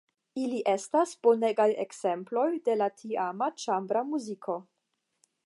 Ili estas bonegaj ekzemploj de la tiama ĉambra muziko.